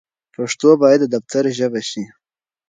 پښتو بايد د دفتر ژبه شي.